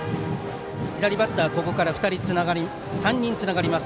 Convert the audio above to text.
左バッターがここから３人続きます。